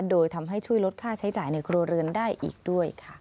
โดยทำให้ช่วยลดค่าใช้จ่ายในครัวเรือนได้อีกด้วยค่ะ